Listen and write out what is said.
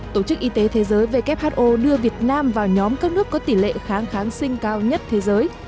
tổ chức y tế thế giới who đưa việt nam vào nhóm các nước có tỷ lệ kháng kháng sinh cao nhất thế giới